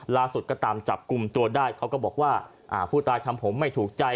ล่าสุดก็ตามจับกลุ่มตัวได้เขาก็บอกว่าอ่าผู้ตายทำผมไม่ถูกใจ